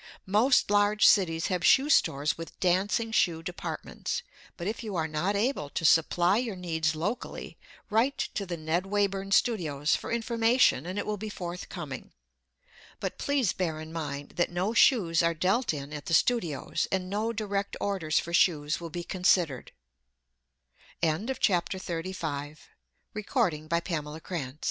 Most large cities have shoe stores with dancing shoe departments, but if you are not able to supply your needs locally, write to the Ned Wayburn Studios for information and it will be forthcoming. But please bear in mind that no shoes are dealt in at the studios and no direct orders for shoes will be considered. THE QUEST OF BEAUTY Every person desires health, vigor, gr